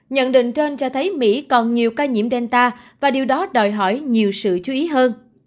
nhận định trên cho thấy mỹ còn nhiều ca nhiễm delta và điều đó đòi hỏi nhiều sự chú ý hơn